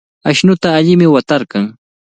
Ashnuta allimi watarqan.